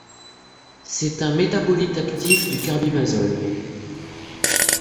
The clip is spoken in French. C'est un métabolite actif du carbimazole.